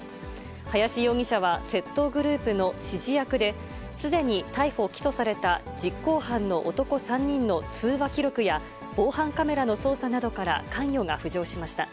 林容疑者は窃盗グループの指示役で、すでに逮捕・起訴された実行犯の男３人の通話記録や、防犯カメラの捜査などから関与が浮上しました。